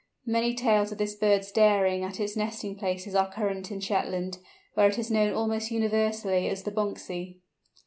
Many tales of this bird's daring at its nesting places are current in Shetland, where it is known almost universally as the "Bonxie."